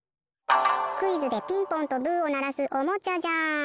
クイズでピンポンとブーをならすおもちゃじゃん！